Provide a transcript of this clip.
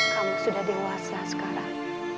kamu sudah dewasa sekarang